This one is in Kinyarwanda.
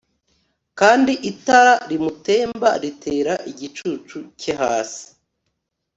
kandi itara rimutemba ritera igicucu cye hasi